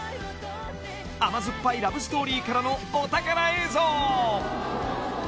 ［甘酸っぱいラブストーリーからのお宝映像］